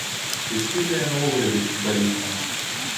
Ці схільны ён увогуле быць футбалістам.